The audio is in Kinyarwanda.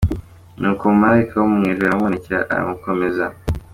Nuko Umumalayika wo mu ijuru aramubonekera aramukomeza.